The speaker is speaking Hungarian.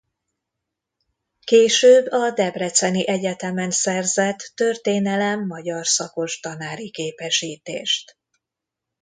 Később a Debreceni Egyetemen szerzett történelem-magyar szakos tanári képesítést.